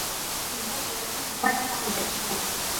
顶部则是一块巨大的岩石。